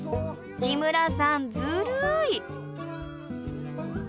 日村さんずるい！